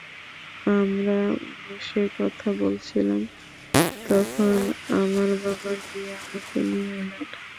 আমরা বসে কথা বলছিলাম, তখন আমার বাবা গিয়ে আমাকে নিয়ে এলেন।